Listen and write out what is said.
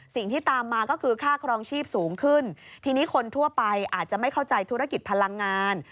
สิ่งที่ตามมาก็คือค่าครองชีพสูงขึ้นทีนี้คนทั่วไปอาจจะไม่เข้าใจธุรกิจพลังงาน